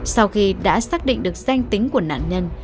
sau khi đã xác định được danh tính của nạn nhân